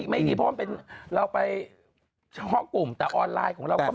ไม่ได้เพราะว่าเราไปช่องกลุ่มแต่ออนไลน์ของเราก็ไม่น้อย